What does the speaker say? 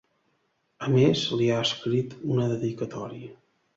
A més, li ha escrit una dedicatòria.